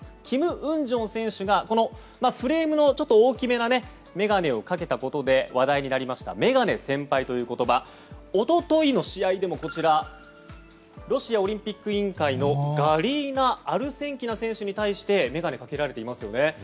キム・ウンジョン選手がフレームの大きめな眼鏡をかけたことで話題になりましたメガネ先輩という言葉おとといの試合でもロシアオリンピック委員会のガリーナ・アルセンキナ選手に対して眼鏡をかけられていますよね。